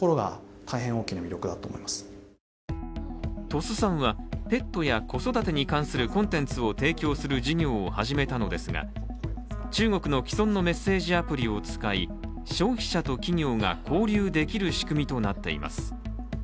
鳥巣さんはペットや子育てに関するコンテンツを提供する事業を始めたのですが、中国の既存のメッセージアプリを使い消費者と企業が交流できる仕組みとなっています。